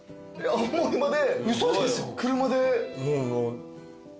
青森まで。